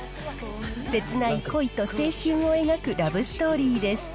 切ない恋と青春を描くラブストーリーです。